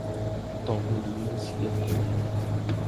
- dog hun lignede slet ikke Molly.